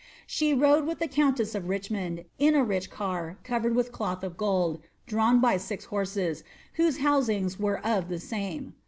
She rode witli the countess of RiclimoDd in a ricB 1', cofrrrd with claih of gold, drawn by six horses, whose honslngs • :c of the some.